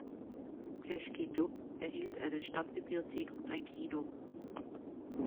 Český Dub erhielt eine Stadtbibliothek und ein Kino.